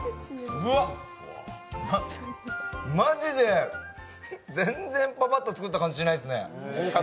うわっ、マジで全然パパッと作った感じしないですね。